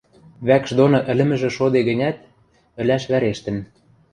Вӓкш доны ӹлӹмӹжӹ шоде гӹнят, ӹлӓш вӓрештӹн